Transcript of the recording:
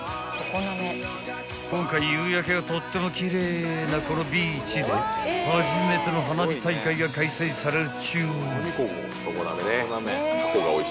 ［今回夕焼けがとっても奇麗なこのビーチで初めての花火大会が開催されるっちゅう］